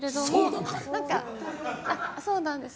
そうなんです。